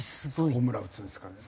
ホームラン打つんですからね。